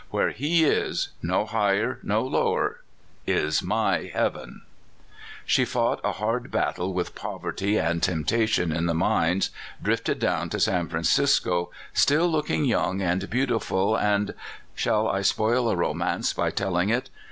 Where he is — no higher, no lower — h my heaven I " 40 A Woman of the Early Days. She fought a hard battle with poverty and temp tation Jn the mines, drifted down to San Francisco, still looking young and beautiful, and — shall I spoil a romance by telling it?